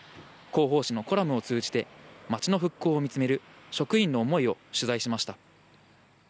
広報紙のコラムを通じて町の復興を見つめる職員の思いを取材しました。